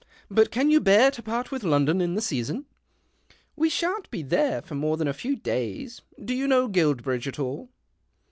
" But can '■ou bear to part with Loudon in the leason ?" "We shan't be there for more than a few lays. Do you know Guilbridge at all